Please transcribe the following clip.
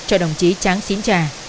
cho đồng chí tráng xín trà